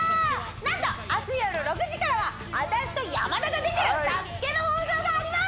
なんと明日夜６時からはあたしと山田が出てる「ＳＡＳＵＫＥ」の放送があります！